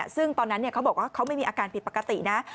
ซึ่งตอนนั้นเขาบอกว่าเขาไม่มีอาการผิดปกตินะ